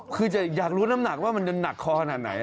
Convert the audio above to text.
คือจะอยากรู้น้ำหนักว่ามันจะหนักคอขนาดไหน